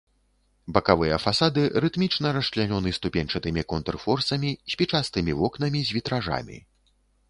Бакавыя фасады рытмічна расчлянёны ступеньчатымі контрфорсамі, спічастымі вокнамі з вітражамі.